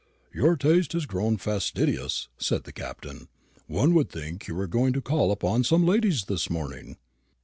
"Your taste has grown fastidious," said the Captain; "one would think you were going to call upon some ladies this morning."